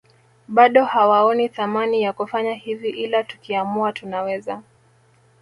Bado hawaoni thamani ya kufanya hivi ila tukiamua tunaweza